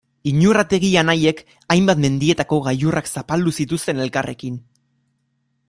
Iñurrategi anaiek hainbat mendietako gailurrak zapaldu zituzten elkarrekin.